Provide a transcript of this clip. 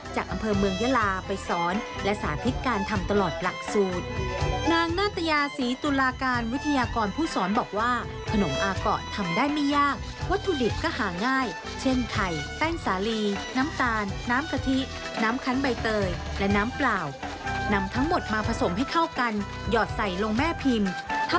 เช็ดน้ำลายหน่อยดีกว่าคุณค่ะ